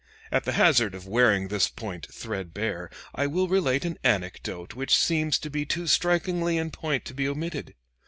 At the hazard of wearing this point threadbare, I will relate an anecdote which seems to be too strikingly in point to be omitted.